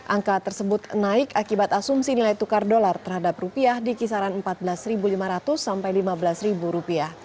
angka tersebut naik akibat asumsi nilai tukar dolar terhadap rupiah di kisaran rp empat belas lima ratus sampai rp lima belas